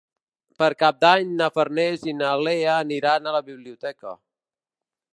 Per Cap d'Any na Farners i na Lea aniran a la biblioteca.